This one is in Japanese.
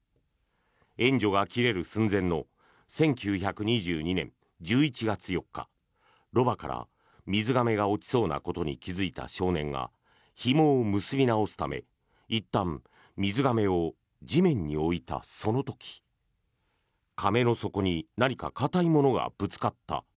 援助が切れる寸前の１９２２年１１月４日ロバから水がめが落ちそうなことに気付いた少年がひもを結び直すためいったん水がめを地面に置いたその時かめの底に何か硬いものがぶつかった。